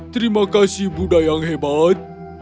terima kasih buddha yang hebat